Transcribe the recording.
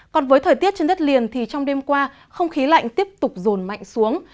còn với thời tiết trên đất liền thì trong đêm qua không khí lạnh tiếp tục rồn mạnh xuống